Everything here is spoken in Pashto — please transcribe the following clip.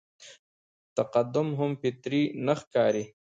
تقدم هم فطري نه ښکاري.